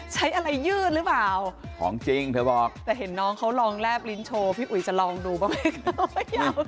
ใช้อะไรยืดหรือเปล่าของจริงเธอบอกแต่เห็นน้องเขาลองแลบลิ้นโชว์พี่อุ๋ยจะลองดูบ้างไหม